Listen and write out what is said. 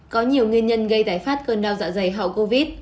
có nhiều nguyên nhân gây tái phát cơn đau dạ dày hậu covid